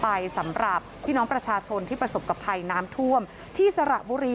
ไปสำหรับพี่น้องประชาชนที่ประสบกับภัยน้ำท่วมที่สระบุรี